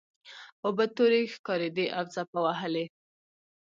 اوبه تورې ښکاریدې او څپه وهلې.